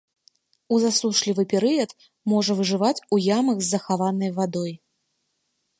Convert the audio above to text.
У засушлівы перыяд можа выжываць у ямах з захаванай вадой.